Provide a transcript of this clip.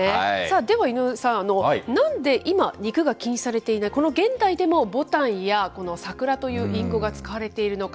では井上さん、なんで今、肉が禁止されていないこの現代でもぼたんやさくらという隠語が使われているのか。